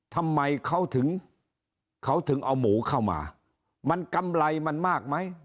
ทำไมเขาถึงเขาถึงเอาหมูเข้ามามันกำไรมันมากไหม